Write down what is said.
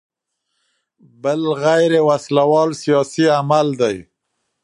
بل غیر وسله وال سیاسي عمل دی.